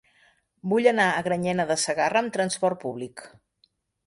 Vull anar a Granyena de Segarra amb trasport públic.